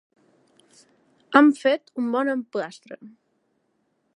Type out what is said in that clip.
Hem fet un bon emplastre.